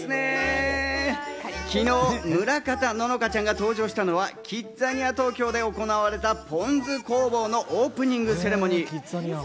昨日、村方乃々佳ちゃんが登場したのはキッザニア東京で行われた、ぽん酢工房のオープニングセレモニー。